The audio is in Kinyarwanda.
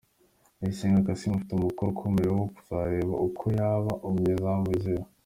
Ndayisenga Kassim afite umukoro ukomeye wo kuzareba uko yaba umunyezamu wizewe.